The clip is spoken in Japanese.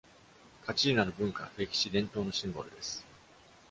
「カチーナ」の文化、歴史、伝統のシンボルです。